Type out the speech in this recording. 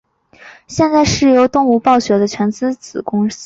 现在是由动视暴雪的全资子公司。